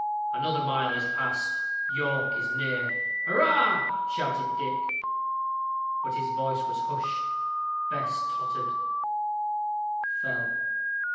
Another mile is past. York is near. "Hurrah!" shouted Dick; but his voice was hushed. Bess tottered fell.